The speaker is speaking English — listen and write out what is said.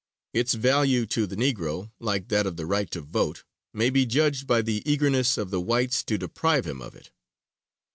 Its value to the Negro, like that of the right to vote, may be judged by the eagerness of the whites to deprive him of it.